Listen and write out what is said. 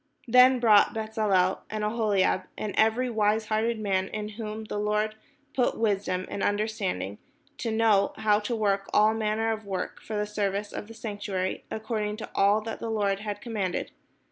Then wrought Bezaleel and AhoHab, and every wise hearted man, in whom the Lord put wisdom and under standing to know how to work all manner of work for the service of the sanctuary, according to all that the Lord had commanded.